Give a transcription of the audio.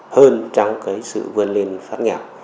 hơn trong cái sự vươn lên phát nghèo